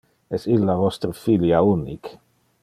Es illa vostre filia unic?